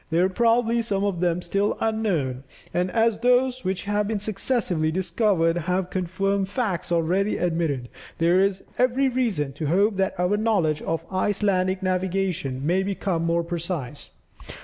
There are probably, some of them still unknown, and as those which have been successively discovered, have confirmed facts already admitted, there is every reason to hope that our knowledge of Icelandic navigation may become more precise.